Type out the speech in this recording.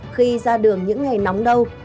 khi ra đường những ngày nóng đâu